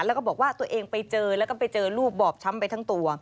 แล้วก็บอกว่าตัวเองไปเจอแล้วก็ไปเจอรูปบอบช้ำไปทั้งตัว